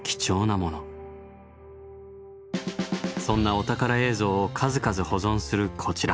そんなお宝映像を数々保存するこちら。